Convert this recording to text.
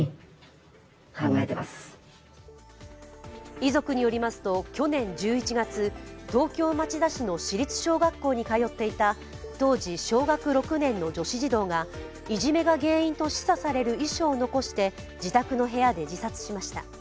遺族によりますと、去年１１月、東京・町田市の市立小学校に通っていた当時小学６年の女子児童がいじめが原因と示唆される遺書を残して自宅の部屋で自殺しました。